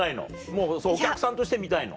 もうお客さんとして見たいの？